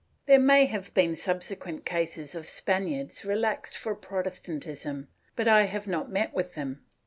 * There may have been subsequent cases of Span iards relaxed for Protestantism, but I have not met with them.